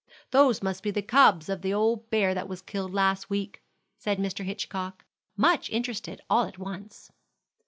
"Those must be the cubs of the old bear that was killed last week," said Mr. Hitchcock, much interested all at once.